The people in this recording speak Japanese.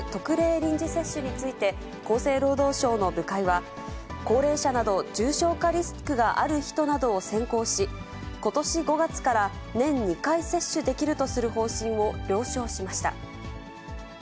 臨時接種について、厚生労働省の部会は、高齢者など重症化リスクがある人などを先行し、ことし５月から年２回接種できるとする方針を了承しました。